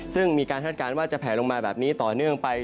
ซึ่งมีการคาดการณ์ว่าจะแผลลงมาแบบนี้ต่อเนื่องไป